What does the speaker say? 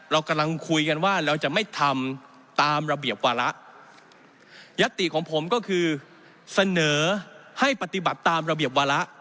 เรากำลังคุยกันว่าเราจะไม่ทำตามระเบียบวาระยัตติของผมก็คือเสนอให้ปฏิบัติตามระเบียบวาระ